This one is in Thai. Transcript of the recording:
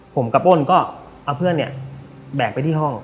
ผมกับป้นก็เอาเพื่อนเนี่ยแบกไปที่ห้อง